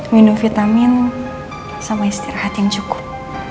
minum vitamin sama istirahat yang cukup